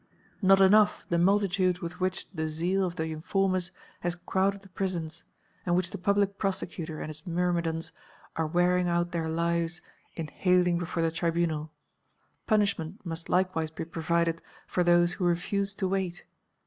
Not enough the multitude with which the zeal of the informers has crowded the prisons and which the Public Prosecutor and his myrmidons are wearing out their lives in haling before the Tribunal; punishment must likewise be provided for those who refuse to wait.